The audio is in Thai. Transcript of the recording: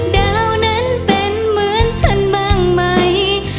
ดาวนั้นเป็นเหมือนฉันบ้างไหม